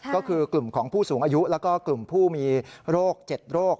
ก็คือกลุ่มของผู้สูงอายุแล้วก็กลุ่มผู้มีโรค๗โรค